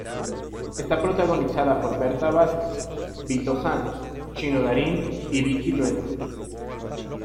Está protagonizada por Berta Vázquez, Vito Sanz, Chino Darín y Vicky Luengo.